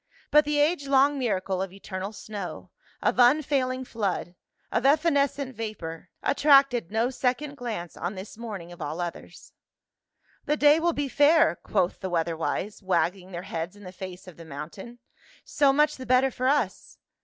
But the age long miracle of eternal snow, of unfailing flood, of evanescent vapor, attracted no second glance on this morning of all others. "The day will be fair," quoth the weather wise, wagging their heads in the face of the mountain. " So much the better for us."